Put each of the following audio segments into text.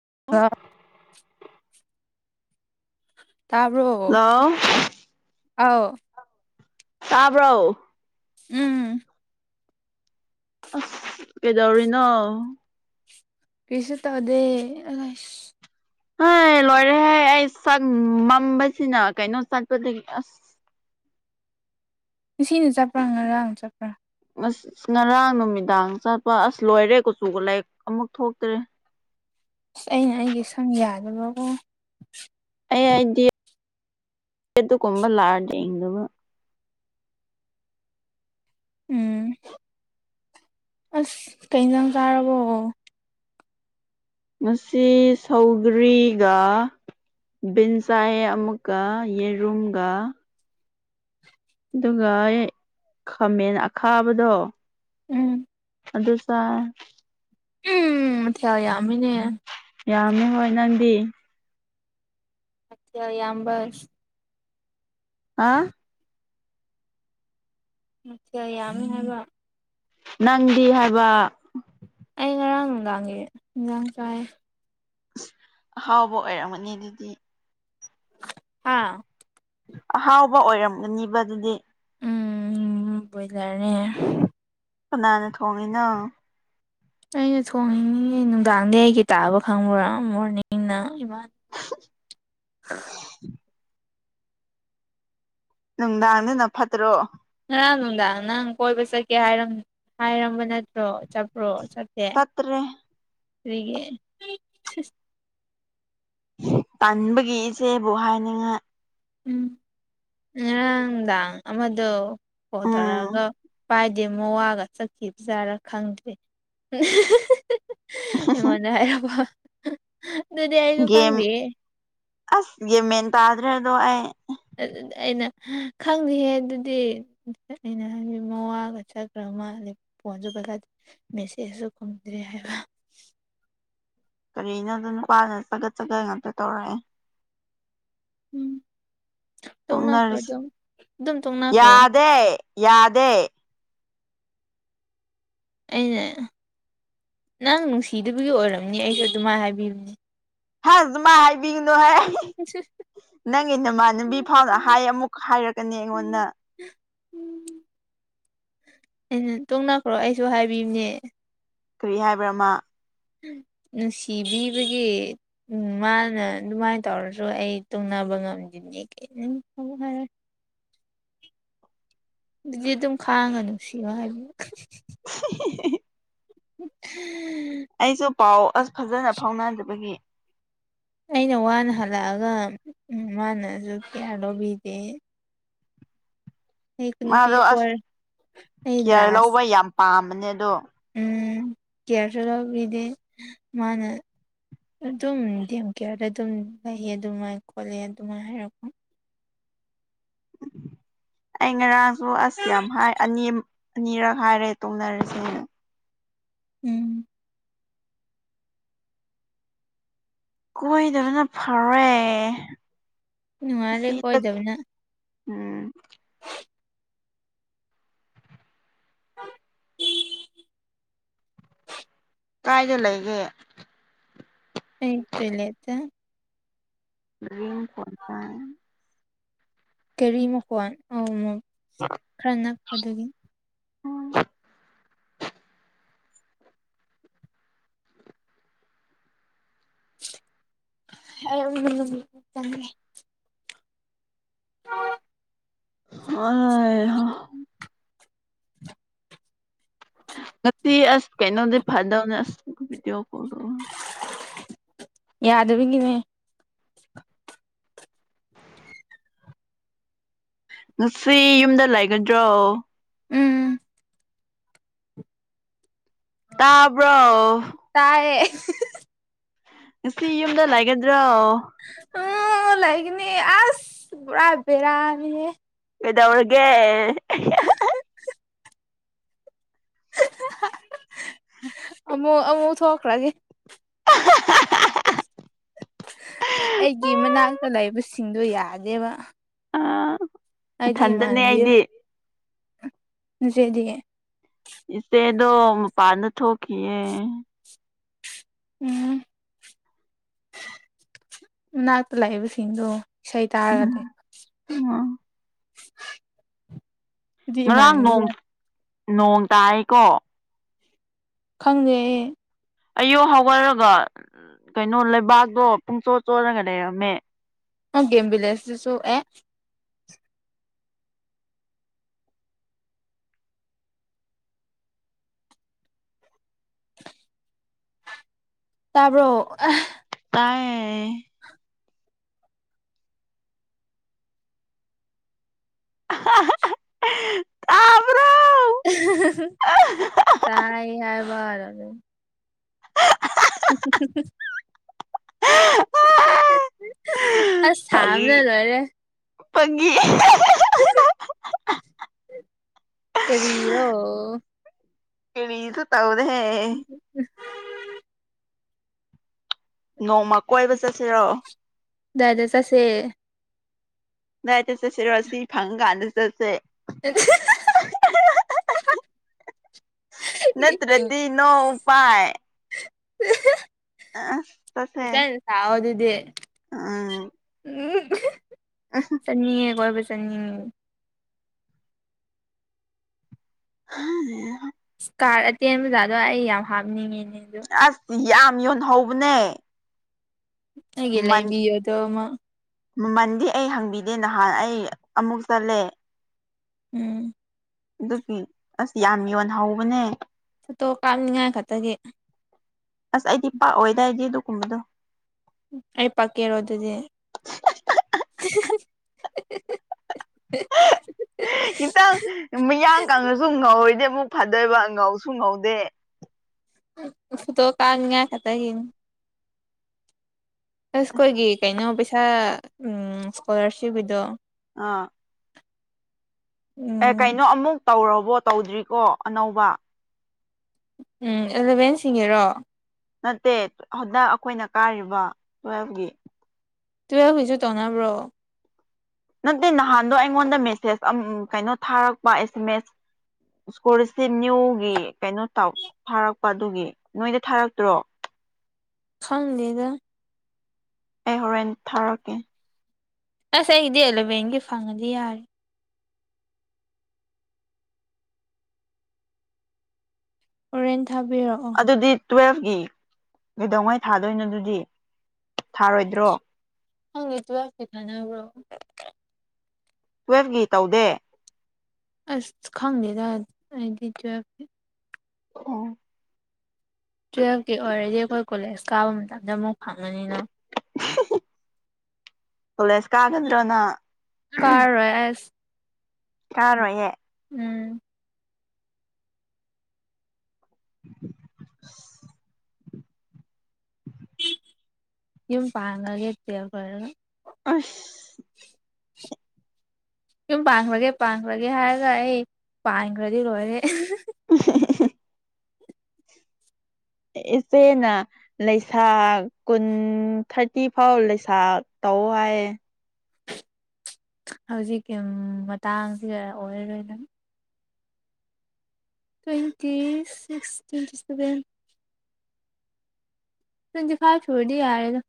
[unintelligible] ꯇꯥꯕ꯭ꯔꯣ ꯍꯜꯂꯣ ꯑꯥꯎ ꯇꯥꯕ꯭ꯔꯣ ꯎꯝ ꯑꯁ ꯀꯩꯗꯧꯔꯤꯅꯣ ꯀꯩꯁꯨ ꯇꯧꯗꯦ [unintelligible] ꯂꯣꯏꯔꯦꯍ ꯑꯩ ꯁꯟ ꯃꯝꯕꯁꯤꯅ ꯀꯩꯅꯣ ꯆꯠꯄꯗꯒꯤ ꯑꯁ ꯉꯁꯤꯅ ꯆꯠꯄ꯭ꯔꯥ ꯉꯔꯥꯡꯅ ꯆꯠꯄ꯭ꯔꯥ ꯑꯁ ꯉꯔꯥꯡ ꯅꯨꯃꯤꯗꯥꯡ ꯆꯠꯄ ꯑꯁ ꯂꯣꯏꯔꯦ ꯈꯨꯆꯨ ꯒ ꯑꯃꯨꯛ ꯊꯣꯛꯇ꯭ꯔꯦ [unintelligible] ꯑꯁ ꯑꯩꯅ ꯑꯩꯒꯤ ꯁꯪ ꯌꯥꯅꯕꯀꯣ ꯑꯩ ꯑꯩꯗꯤ ꯑꯗꯨꯒꯨꯝꯕ ꯂꯥꯔ ꯌꯦꯡꯗꯕ ꯎꯝ ꯑꯁ ꯀꯩ ꯏꯟꯖꯥꯡ ꯆꯥꯔꯕ꯭ꯔꯣ ꯉꯁꯤ ꯁꯧꯒ꯭ꯔꯤꯒ ꯕꯤꯟꯁ ꯆꯥꯏꯌꯦ ꯑꯃꯨꯛꯀ ꯌꯦꯔꯨꯝꯒ ꯑꯗꯨꯒ ꯈꯥꯃꯦꯟ ꯑꯈꯥꯕꯗꯣ ꯎꯝ [inaudible] ꯎꯝ ꯃꯊꯦꯜ ꯌꯥꯝꯃꯤꯅꯦ ꯌꯥꯝꯃꯦ ꯍꯣꯏ ꯅꯪꯗꯤ ꯀꯌꯥ ꯌꯥꯝꯕꯁ ꯑꯥ ꯀꯌꯥ ꯌꯥꯝꯃꯤ ꯍꯥꯏꯕ ꯅꯪꯗꯤ ꯍꯥꯏꯕ ꯑꯩ ꯉꯔꯥꯡ ꯅꯨꯡꯗꯥꯡꯒꯤ ꯅꯨꯡꯗꯥꯡ ꯆꯥꯏ ꯍꯨꯝ ꯑꯍꯥꯎꯕ ꯑꯣꯏꯔꯝꯒꯅꯤ ꯑꯗꯨꯗꯤ ꯍꯥꯥ ꯑꯍꯥꯎꯕ ꯑꯣꯏꯔꯝꯒꯅꯤꯕ ꯑꯗꯨꯗꯤ ꯎꯝ ꯕ꯭ꯔꯣꯏꯂꯔꯅꯦ ꯀꯅꯥꯅ ꯊꯣꯡꯉꯤꯅ ꯑꯩꯅ ꯊꯣꯡꯉꯤꯅꯤꯅꯦ ꯅꯨꯡꯗꯥꯡꯗꯤ ꯑꯩꯒꯤ ꯇꯥꯕ ꯈꯪꯕ꯭ꯔꯥ ꯃꯣꯔꯅꯤꯡꯅ ꯏꯃ [inaudible] ꯅꯨꯡꯗꯥꯡꯗꯨꯅ ꯐꯠꯇ꯭ꯔꯣ ꯉꯔꯥꯡ ꯅꯨꯡꯗꯥꯡ ꯅꯪ ꯀꯣꯏꯕ ꯆꯠꯀꯦ ꯍꯥꯏꯔꯝ ꯍꯥꯏꯔꯨꯝꯕ ꯅꯠꯇ꯭ꯔꯣ ꯆꯠꯄ꯭ꯔꯣ ꯇꯠꯇ꯭ꯔꯦ ꯒ [inaudible] ꯇꯟꯕꯒꯤ ꯏꯆꯦꯕꯨ ꯍꯥꯏꯅꯤꯡꯉꯥꯏ ꯎꯝ ꯉꯔꯥꯡꯅꯨꯡꯗꯥꯡ ꯑꯃꯗꯣ ꯐꯣꯟ ꯎꯝ ꯇꯧꯔꯒ ꯄꯥꯏꯗꯦ ꯃꯣꯋꯥꯒ ꯆꯈꯤꯕꯖꯥꯔ ꯈꯪꯗꯦ꯫ ꯑꯍꯤ ꯍꯤ ꯍꯤ ꯍꯤ ꯍꯤ ꯑꯩꯉꯣꯟꯗ ꯍꯥꯏꯔꯕꯣ ꯒꯦꯝ ꯑꯁ ꯒꯦꯝ ꯃꯦꯟ ꯇꯗ꯭ꯔꯦꯗꯣ ꯑꯩ ꯑꯗꯨꯗꯤ ꯑꯩꯅ ꯈꯪꯗꯤꯍꯦ ꯑꯗꯨꯗꯤ ꯑꯩꯅ ꯍꯥꯏꯗꯤ ꯃꯋꯥꯒ ꯆꯠꯈ꯭ꯔꯝ ꯃꯥ ꯅꯤ ꯐꯣꯟꯖꯨ ꯄꯥꯏꯈꯠꯇ ꯃꯦꯁꯦꯖꯁꯨ ꯐꯪꯗ꯭ꯔꯦ ꯍꯥꯏꯕ ꯀꯔꯤꯅꯣꯗ ꯅꯨꯄꯥꯅ ꯆꯒꯠ ꯆꯒꯠ ꯉꯥꯛꯇ ꯇꯧꯔꯛꯑꯦ ꯎꯝ ꯇꯣꯡꯅꯥꯈ꯭ꯔꯣ ꯇꯣꯛꯅꯔꯁꯤ ꯗꯨꯝ ꯗꯨꯝ ꯇꯣꯡꯅꯥꯈ꯭ꯔꯣ ꯌꯥꯗꯦ ꯌꯥꯗꯦ ꯑꯩꯅ ꯅꯪ ꯅꯨꯡꯁꯤꯗꯕꯒꯤ ꯑꯣꯏꯔꯝꯅꯤ ꯑꯩꯁꯨ ꯑꯗꯨꯃꯥꯏꯅ ꯍꯥꯏꯕꯤꯕꯅꯤꯅꯦ ꯑꯖꯨ ꯃꯥꯏ ꯍꯥꯏꯕꯤꯒꯅꯨ ꯍꯦ ꯅꯪꯒꯤ ꯅꯃꯥꯟꯅꯕꯤ ꯐꯥꯎꯅ ꯍꯥꯏ ꯑꯃꯨꯛ ꯍꯥꯏꯔꯛꯀꯅꯤ ꯑꯩꯉꯣꯟꯗ ꯑꯩꯅ ꯇꯣꯡꯅꯈ꯭ꯔꯣ ꯑꯩꯁꯨ ꯍꯥꯏꯕꯤꯕꯅꯦ ꯀꯔꯤ ꯍꯥꯏꯕ꯭ꯔꯥ ꯃꯥ ꯅꯨꯡꯁꯤꯕꯤꯕꯒꯤ ꯎꯝ ꯃꯥꯅ ꯑꯗꯨꯃꯥꯏ ꯇꯧꯔꯁꯨ ꯑꯩ ꯇꯨꯡꯅꯕ ꯗꯨꯒ ꯉꯝꯗꯤꯅꯦ ꯀ ꯃ ꯍꯥꯏꯔ ꯗꯨꯗꯤ ꯑꯗꯨꯝ ꯈꯥꯡꯉ ꯅꯨꯡꯁꯤꯌꯣ ꯍꯥꯏꯕꯤꯌꯨ ꯎ [inaudible] ꯑꯩꯁꯨ ꯄꯥꯎ ꯑꯁ ꯐꯖꯅ ꯐꯥꯎꯅꯗꯕꯒꯤ ꯑꯩꯅ ꯋꯥꯅ ꯍꯜꯂꯛꯑꯒ ꯎꯝ ꯃꯥꯅꯖꯨ ꯀꯤꯌꯥꯔ ꯂꯧꯕꯤꯗꯦ ꯑꯩ ꯅꯨꯄꯤ ꯃꯥꯗꯣ ꯑꯁ ꯀꯣꯏꯔ ꯑꯩ ꯀꯤꯌꯔ ꯂꯥꯁ ꯂꯧꯕ ꯌꯥꯝ ꯄꯥꯝꯕꯅꯦ ꯑꯗꯣ ꯎꯝ ꯀꯤꯌꯔꯁꯨ ꯂꯧꯕꯤꯗꯦ ꯃꯥꯥꯅ ꯑꯗꯨꯝ ꯗꯦꯝ ꯀꯤꯌꯔꯗ ꯑꯗꯨꯝ ꯂꯩꯌꯦ ꯑꯗꯨꯃꯥꯏꯅ ꯈꯣꯠꯂꯦ ꯑꯗꯨꯃꯥꯏꯅ ꯍꯥꯏꯔꯛꯄ [inaudible] ꯑꯩ ꯉꯔꯥꯡꯁꯨ ꯑꯁ ꯌꯥꯝ ꯍꯥꯏ ꯑꯅꯤ ꯑꯅꯤꯔꯛ ꯍꯥꯏꯔꯦ ꯇꯣꯡꯅꯔꯁꯦꯅ ꯎꯝ ꯀꯣꯏꯗꯕꯅ ꯐꯔꯦ ꯅꯨꯪꯉꯥꯏꯔꯦ ꯑꯁꯤꯗ ꯀꯣꯏꯗꯕꯅ ꯎꯝ ꯀꯥꯏꯗ ꯂꯩꯒꯦ ꯑꯩꯇꯣꯏ ꯂꯩꯇ ꯔꯤ ꯀꯣꯟꯁꯦ ꯀꯦꯔꯤ ꯃꯈꯨꯀꯋꯥꯣꯟ ꯑ ꯃꯨ ꯈꯔꯅꯄ ꯑꯗꯨꯒꯤ ꯑ ꯎ ꯆꯪꯦ ꯑ ꯉ ꯑꯁ ꯀꯩꯅꯩꯅꯗꯤ ꯐꯥꯗꯗꯤꯑꯣ ꯀꯣꯜ ꯌꯥꯗꯕꯒꯤꯅꯦ ꯉꯁꯤ ꯌꯨꯝꯗ ꯂꯩꯒꯗ꯭ꯔꯣ ꯎꯝ ꯇꯕꯣ ꯇꯥꯏꯌꯦ ꯉꯁꯤ ꯌꯨꯝꯗ ꯂꯩꯒꯗ꯭ꯔꯣ ꯎ ꯂꯩꯥꯏꯒꯅꯤ ꯑꯁ ꯄꯨꯔꯥ ꯦꯔꯅꯤꯍꯦ ꯏꯧꯒꯦ ꯑꯃꯨꯛ ꯑꯃꯨꯛ ꯊꯣꯛꯈ꯭ꯔꯒꯦ ꯑꯩꯒꯤ ꯃꯅꯥꯛꯇ ꯂꯩꯕꯕꯁꯤ ꯁꯤꯡꯗꯣ ꯌꯥꯗꯦꯕ ꯑ ꯑ ꯏꯊꯟꯗꯅꯦ ꯃꯥꯟꯒꯤ ꯑꯩꯗꯤ ꯆꯦꯗꯤ ꯏꯁꯦꯗꯣ ꯄꯥꯅ ꯊꯣꯛ ꯊꯣꯛꯀꯤꯦ ꯎꯝ ꯅꯅꯥꯠꯇ ꯂꯕꯤ ꯁꯤꯅ ꯁꯩ ꯎꯝ ꯇꯥꯔꯒꯗ ꯎꯝ ꯉꯔꯥꯡ ꯅꯣꯡ ꯃꯟꯕꯤꯌꯦ ꯅꯣꯡ ꯇꯥꯏꯀꯣ ꯈꯪꯉꯦꯑꯦ ꯑꯌꯨ ꯍꯧꯒꯠꯂꯒ ꯀꯩꯅꯣ ꯂꯩꯕꯥꯛꯇꯣ ꯄꯨꯡꯆꯣꯠ ꯆꯣꯂꯒ ꯂꯩꯔꯝꯃꯦ ꯑꯣ ꯦꯝꯕꯤ ꯂꯩꯁꯤꯁꯤꯁꯨ ꯑꯦ ꯇꯥꯕ꯭ꯔꯣ ꯇꯌꯦ ꯭ꯔꯣ ꯇꯥꯏ ꯍꯥꯏꯕꯔ ꯑꯗꯨꯔ ꯁꯤ ꯑ ꯊꯝꯅ ꯂꯣꯏꯔꯦ ꯄꯒꯤ ꯀꯗꯤꯔꯣ ꯀꯗꯨ ꯇꯥꯎꯗꯦ ꯅꯣꯡꯃ ꯀꯣꯏꯕ ꯆꯠꯁꯤꯔꯣ ꯗꯗꯥꯗꯥ ꯆꯁꯦ ꯗꯥꯏꯠꯇ ꯆꯠꯁꯤꯦꯔꯣ ꯑꯁꯤ ꯐꯪ ꯀꯥꯟꯗ ꯆꯠꯁꯦ ꯑꯗꯨ ꯅꯠꯇ꯭ꯔꯗꯤ ꯅꯣ ꯎꯥꯏ ꯆꯠꯁꯦ ꯥꯏ ꯊꯥꯎꯗꯗꯤꯦ ꯎꯝ ꯎꯝ ꯆꯅꯤ ꯀꯣꯏꯕ ꯆꯅꯤ ꯍ ꯏꯁꯀꯥꯔꯠ ꯑꯇꯦꯟꯕꯖꯥꯗꯣ ꯑꯩ ꯌꯥꯝ ꯍꯥꯞꯅꯤꯡꯉꯤꯅꯦ ꯑꯗ ꯑꯁ ꯌꯥꯝ ꯌꯣꯟ ꯍꯧꯕꯅꯦ ꯑꯩꯦ ꯂꯩꯥꯏꯕꯤ ꯑꯗ ꯃꯃꯜꯗꯤ ꯑꯩ ꯍꯪꯕꯤꯗꯦ ꯅꯍꯥꯟ ꯑꯩ ꯑꯃꯨꯛ ꯆꯠꯂꯦ ꯎꯝ ꯑꯗꯨꯒꯤ ꯑꯁ ꯌꯥꯝ ꯌꯣꯟꯍꯧꯕꯅꯦ ꯁꯇꯣ ꯀꯥꯞꯅꯤꯡꯉꯥꯏ ꯈꯛꯇꯒꯤ ꯑꯁ ꯑꯩꯗꯤ ꯄꯥꯛꯑꯣꯏꯗꯥꯏꯗꯤ ꯑꯗꯨꯒꯨꯝꯕꯗꯣ ꯑꯩ ꯄꯥꯛꯀꯦꯔꯣ ꯑꯗꯨꯗꯤ ꯏꯈꯤꯇꯪ ꯃꯤꯌꯥꯡ ꯀꯪꯉꯁꯨ ꯉꯧꯔꯣꯏꯗꯦꯕ ꯑꯃꯨꯛ ꯐꯥꯗꯣꯏꯕ ꯉꯧꯁꯨ ꯉꯧꯗꯦ ꯗꯣ ꯀꯥꯅꯌꯥ ꯈ ꯇ ꯍ ꯑꯁ ꯑꯩꯈꯣꯏꯒꯤ ꯀꯩꯅꯣ ꯄꯩꯁꯥ ꯏꯁꯀꯣꯂꯥꯔꯁꯤꯞꯀꯤꯗꯣ ꯑꯥ ꯑꯦ ꯎꯝ ꯀꯩꯅꯣ ꯑꯃꯨꯛ ꯇꯧꯔꯕꯣ ꯇꯧꯗ꯭ꯔꯤꯀꯣ ꯑꯅꯧꯕ ꯎꯝ ꯑꯦꯂꯚꯦꯟꯁꯤꯡꯒꯤꯁꯤꯡꯉꯦꯔꯣ ꯅꯠꯇꯦ ꯍꯟꯗꯛ ꯑꯩꯈꯣꯏꯅ ꯀꯥꯔꯤꯕ ꯇꯨꯋꯦꯜꯐꯀꯤ ꯇꯨꯋ ꯍꯧꯣꯏꯁꯨ ꯇꯧꯅꯕ꯭ꯔꯣ ꯅꯠꯇꯦ ꯅꯍꯥꯟꯗꯣ ꯑꯩꯉꯣꯟꯗ ꯃꯦꯁꯦꯁ ꯀꯩꯅꯣ ꯊꯥꯔꯛꯄ ꯑꯦꯁ ꯑꯦꯝ ꯑꯦꯁ ꯏꯁꯀꯣꯔꯁ ꯅꯅꯤꯌꯨꯒꯤ ꯀꯩꯅꯣ ꯇ ꯊꯥꯔꯛꯄ ꯑꯗꯨꯒꯤ ꯅꯣꯏꯗ ꯊꯥꯔꯛꯇ꯭ꯔꯣ ꯈꯝ ꯂꯩꯗ ꯑꯦ ꯍꯣꯔꯦꯟꯦꯟ ꯊꯥꯔꯛꯀꯦ ꯑꯁ ꯑꯩꯗꯤ ꯑꯦꯂꯣꯚꯦꯟꯒꯤ ꯐꯪꯉꯗꯤ ꯌꯥꯔꯦ ꯑꯣꯔꯦꯟꯖ ꯑꯗꯨꯗꯤ ꯇꯨꯋꯦꯜꯐꯀꯤ ꯀꯩꯗꯧꯉꯩ ꯊꯥꯗꯣꯏꯅꯣ ꯑꯗꯨꯗꯤ ꯊꯥꯔꯣꯏꯗ꯭ꯔꯣ ꯍꯪꯉꯠꯇ ꯄ ꯊꯅꯦꯕ꯭ꯔꯣ ꯇꯨꯋꯦꯜꯐꯀꯤ ꯇꯧꯗꯦ ꯑꯁ ꯈꯪꯗꯦꯗꯖꯦ ꯎꯝ ꯇꯨꯌꯦꯜꯐꯀꯤ ꯑꯣꯏꯔꯗꯤ ꯑꯩꯈꯣꯏ ꯀꯣꯂꯦꯖ ꯀꯥꯕ ꯃꯇꯝꯗ ꯑꯃꯨꯛ ꯐꯪꯉꯅꯤꯅ ꯄꯨꯂꯁ ꯀꯥꯒꯗ꯭ꯔꯣꯅ ꯀꯥꯔ ꯔꯣꯏꯁ ꯌꯥꯥꯔꯣꯏꯍꯦ ꯎꯝ [inaudible] ꯌꯨꯝ ꯄꯥꯟꯉꯒꯦꯠꯇ ꯑꯩꯈꯣꯏꯒ ꯑꯁ ꯌꯨꯝ ꯄꯥꯟꯈ꯭ꯔꯒꯦ ꯄꯥꯟꯈ꯭ꯔꯒꯦ ꯍꯥꯏꯔꯒ ꯑꯩ ꯄꯥꯟꯈ꯭ꯔꯗꯤ ꯂꯣꯏꯔꯦ [inaudible] ꯏꯆꯦꯅ ꯂꯩꯁꯥ ꯀꯨꯟ ꯊꯥꯔꯇꯤ ꯐꯥꯎ ꯂꯩꯁꯥ ꯇꯧꯑ ꯍꯧꯖꯤꯛꯀꯤ ꯃꯇꯥꯡꯁꯤ ꯑꯣꯏꯔꯔꯣꯏꯗꯅ ꯇ꯭ꯋꯦꯟꯇꯤ ꯁꯤꯛꯁ ꯇ꯭ꯋꯦꯟꯇꯤ ꯁꯚꯦꯟ ꯇꯗꯤ ꯈꯥꯔ ꯊꯣꯣꯔꯗꯤ ꯌꯥꯔꯦꯒ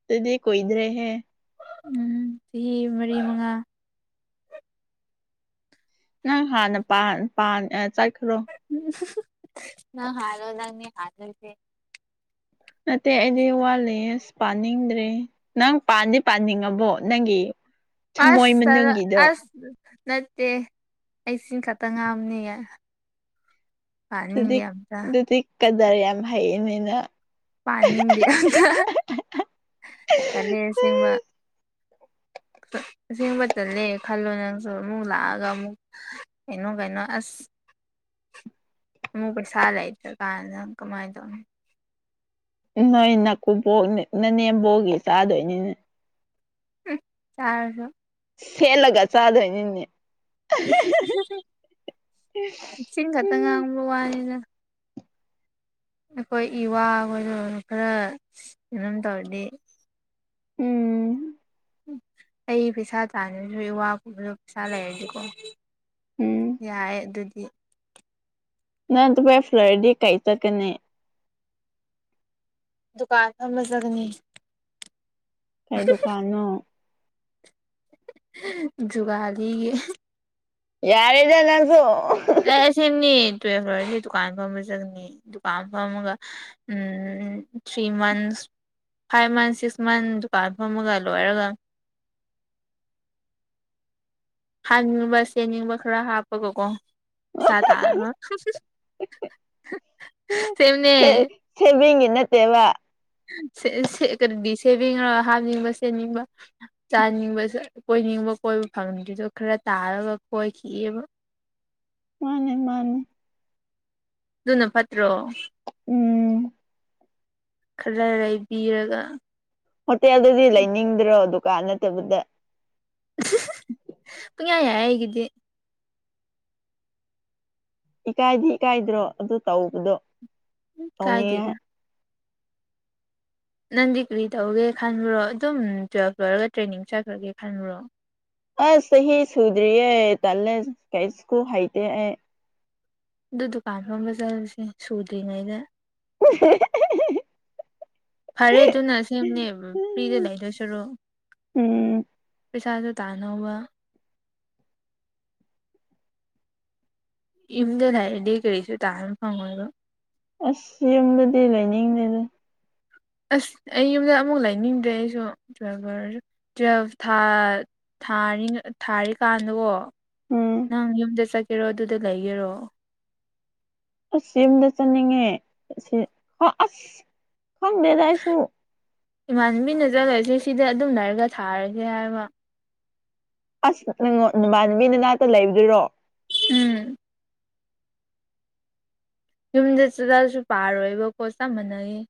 ꯎ ꯇꯗꯤ ꯀ ꯏꯗꯔꯦ ꯍꯥꯏ ꯎꯝ ꯆꯍꯤ ꯃꯔꯤ ꯃꯉꯥ ꯅꯪ ꯍꯥꯟꯅ ꯆꯠꯈ꯭ꯔꯣ ꯅ ꯍꯥꯔ ꯑꯣ ꯂꯅꯤ ꯍꯥꯜꯁ ꯅꯠꯇꯦ ꯑꯩꯗꯤ ꯋꯥꯠꯂꯦ ꯑꯁ ꯄꯥꯅꯤꯡꯗ꯭ꯔꯦ ꯅꯪ ꯄꯥꯟꯗꯤ ꯄꯥꯅꯤꯡꯉꯕꯣ ꯅꯪꯒꯤ ꯊꯃꯣꯏ ꯑꯁ ꯃꯅꯨꯡꯒꯤꯗꯣ ꯑꯁ ꯅꯠꯇꯦ ꯑꯩ ꯁꯤ ꯈꯛꯇ ꯉꯥꯝꯅꯤꯌꯦ ꯄꯅꯤꯡꯗꯤ ꯌꯥꯝꯇ ꯀꯗꯔꯦ ꯌꯥꯝ ꯍꯩꯌꯦꯅꯤꯅ ꯄꯥꯅꯤꯡꯗꯤꯦ ꯑ ꯊꯂꯦ ꯑꯁꯦꯡꯕ [inaudible] ꯑꯁꯦꯡꯕ ꯆꯠꯂꯦꯦ ꯈꯜꯂꯣ ꯅꯪꯁꯨ ꯑꯃꯨꯛ ꯂꯥꯛꯑꯒ ꯑꯃꯨꯛ ꯀꯩꯅꯣ ꯀꯩꯅꯣ ꯑꯁ ꯑꯃꯨꯛ ꯐ ꯁ ꯂꯥꯏꯗ ꯀꯗ ꯀꯃꯥꯏꯗ ꯅꯣꯏ ꯅꯥꯀꯨꯞꯕꯣꯛ ꯅꯅꯦꯝꯕꯣꯛꯒꯤ ꯆꯥꯗꯣꯏꯅꯤꯅꯦ ꯆꯔꯁꯨꯣ ꯁꯦꯂꯒ ꯆꯗꯣꯏꯅꯤꯦ ꯎ ꯆꯤꯡ ꯈꯛꯇ ꯎꯝ ꯉꯥꯡꯕ ꯋꯥꯅꯤꯅ ꯑꯩꯈꯣꯏ ꯏ ꯋꯥ ꯑꯣꯏꯣꯏꯔꯣ ꯈꯔ ꯀꯩꯅꯣꯝ ꯇꯧꯔꯗꯤ ꯎꯝ ꯎ ꯑꯩ ꯄꯩꯁꯥ ꯆꯥꯗ꯭ꯔꯁꯨ ꯏ ꯋꯥ ꯈꯨꯨꯝꯕꯁꯨ ꯄꯩꯁꯥ ꯂꯩꯔꯗꯤꯀꯣ ꯎꯝ ꯌꯥꯏ ꯑꯗꯨꯗꯤ ꯅꯪ ꯇꯄꯥ ꯐ꯭ꯂꯔꯗꯤ ꯀꯩ ꯇ ꯀꯅꯦ ꯗꯨꯀꯥꯟ ꯐꯝꯂ ꯆꯒꯅꯤ ꯀꯩꯗꯨꯀꯅꯣ ꯨꯒꯥꯔꯤꯒꯦ ꯌꯥꯔꯗ ꯅꯪꯁꯨ ꯑꯦ ꯁꯤꯅꯤ ꯇꯨꯋꯜ ꯐ꯭ꯂꯔꯁꯤ ꯗꯨꯀꯥꯟ ꯐꯝꯕ ꯆꯪꯅꯤ ꯗꯨꯀꯥꯟ ꯐꯝꯃꯒ ꯎꯝ three months five months six months ꯗꯨꯀꯥꯟ ꯐꯝꯃꯒ ꯂꯣꯏꯔꯒ ꯍꯥꯥꯡꯅꯤꯡꯕ ꯆꯦꯅꯤꯡꯕ ꯈꯔ ꯍꯥꯞꯄꯒꯀꯣ ꯁꯥꯇꯔ ꯇꯅꯦ ꯟꯅꯠꯇꯦꯕ ꯁꯦꯝꯦꯕꯤꯉ ꯍꯥꯞꯅꯤꯡꯕ ꯁ ꯁꯦꯝꯅꯤꯡꯕ ꯆꯥꯅꯤꯡꯕ ꯀꯣꯏꯅꯤꯡꯕ ꯕ ꯀꯣꯏꯕ ꯐꯪꯗ꯭ꯔꯤꯗꯣ ꯈꯔ ꯇꯥꯔꯒ ꯀꯣꯏꯈꯤꯑꯕ ꯃꯥꯅꯦ ꯃꯥꯅꯦ ꯑꯗꯨꯅ ꯐꯠꯇ꯭ꯔꯣ ꯎꯝ ꯈꯔ ꯂꯩꯕꯤꯔꯒ ꯍꯣꯇꯦꯜꯗꯨꯗꯤ ꯂꯩꯅꯤꯡꯗ꯭ꯔꯣ ꯗꯨꯀꯥꯟ ꯅꯠꯇꯕꯗ ꯉ ꯌꯥ ꯍꯦꯒꯗꯤꯦ ꯏꯀꯥꯏꯗꯤ ꯏꯀꯥꯏꯗ꯭ꯔꯣ ꯑꯗꯨ ꯇꯧꯕꯗꯣ ꯀꯥꯏꯗꯦꯗ ꯇꯧꯅꯤꯡꯌꯦ ꯅꯪ ꯗꯤꯒ꯭ꯔꯤ ꯇꯧꯒꯦ ꯈꯟꯕ꯭ꯔꯣ ꯑꯗꯨꯝ ꯇꯨꯌꯦꯦꯜꯞ ꯂꯣꯏꯔꯒ ꯇ꯭ꯔꯦꯅꯤꯡ ꯆꯠꯈ꯭ꯔꯒꯦ ꯈꯟꯕ꯭ꯔꯣ ꯑ ꯆꯍꯤꯍꯤ ꯁꯨꯗꯔꯤꯑꯦ ꯇꯦ ꯀꯩꯁꯀꯨ ꯍꯥꯏꯩꯇ ꯑꯦ ꯑꯗꯨ ꯗꯨꯀꯥꯟ ꯐꯝꯕ ꯆꯠꯂꯨꯁꯦ ꯁꯨꯗ꯭ꯔꯤꯉꯩꯗ [inaudible] ꯐꯔꯦ ꯑꯗꯨꯅ ꯁꯦꯝꯦꯡꯅꯦ ꯐ꯭ꯔꯤꯗ ꯂꯩꯗꯣꯏ ꯁꯔꯣ ꯎꯝ ꯄꯩꯁꯥꯁꯨ ꯇꯥꯅꯧꯕꯕ ꯏꯨꯝꯗ ꯂꯩꯗꯤ ꯀꯔꯤꯁꯨ ꯇꯥꯅ ꯐꯪꯉꯣꯏꯕ ꯑꯁ ꯌꯨꯝꯗꯗꯤ ꯂꯩꯅꯤꯡꯗꯦꯗ ꯑꯁ ꯑꯩ ꯌꯨꯝꯗ ꯑꯃꯨꯛ ꯂꯩꯅꯤꯡꯗ꯭ꯔꯦ ꯑꯩꯁꯨ ꯇꯨ ꯇꯨꯋꯦꯜꯐ ꯊꯥ ꯊꯥꯔꯤ ꯊꯥꯔꯤ ꯀꯥꯟꯗꯨꯣ ꯎꯝ ꯅꯪ ꯌꯨꯝꯗ ꯆꯠꯀꯦꯔꯣ ꯑꯗꯨꯗ ꯂꯩꯒꯦꯔꯣ ꯑꯁ ꯌꯨꯝꯗ ꯆꯠꯅꯤꯡꯉꯦ ꯍ ꯑꯁ ꯈꯪꯗꯦꯗꯥꯏꯁꯨ ꯏꯃꯥꯟꯅꯕꯤꯅ ꯆꯠꯂꯣꯏꯁꯦ ꯁꯤꯗ ꯑꯗꯨꯝꯅꯔꯒ ꯊꯥꯔꯒꯦ ꯍꯥꯏꯕ ꯑꯁ ꯅꯪꯉꯣ ꯅꯨꯃꯥꯟ ꯅꯨ ꯃꯤꯅꯅꯥꯛꯇ ꯂꯩꯕꯗꯣꯏꯔꯣ ꯎꯝ ꯌꯨꯝꯗ ꯆꯂꯑꯁꯨ ꯄꯥꯔꯣꯏꯕꯀꯣ ꯆꯞ ꯃꯥꯟꯅꯒꯦ